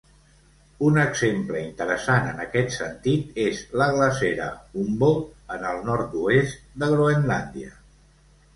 Un exemple interessant en aquest sentit és la glacera Humboldt, en el nord-oest de Groenlàndia.